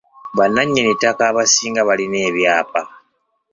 Bannannyini ttaka abasinga balina epyaapa.